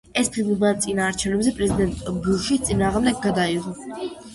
ეს ფილმი მან წინა არჩევნებზე პრეზიდენტ ბუშის წინააღმდეგ გადაიღო.